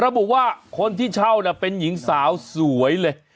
เราบอกว่าคนที่เช่าเนี้ยเป็นหญิงสาวสวยเลยค่ะ